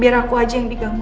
biar aku aja yang diganggu